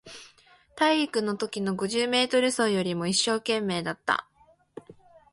体育のときの五十メートル走よりも一生懸命だった